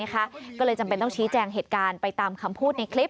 ก็เลยจำเป็นต้องชี้แจงเหตุการณ์ไปตามคำพูดในคลิป